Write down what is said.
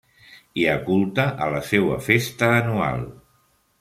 Hi ha culte a la seua festa anual.